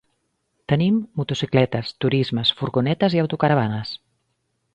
Tenim motocicletes, turismes, furgonetes i autocaravanes.